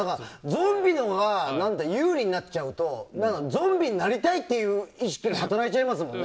ゾンビのほうが有利になっちゃうとゾンビになりたいっていう意識が働いちゃいますもんね。